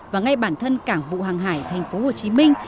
và ngay bản thân cảng vụ hàng hải thành phố hồ chí minh